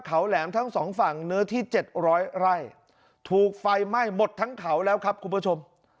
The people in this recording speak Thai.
เขาแหลมทั้งสองฝั่งเนื้อที่เจ็ดร้อยไร่ถูกไฟไหม้หมดทั้งเขาแล้วครับคุณผู้ชม